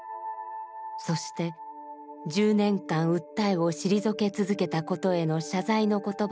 そして１０年間訴えを退け続けたことへの謝罪の言葉が綴られていました。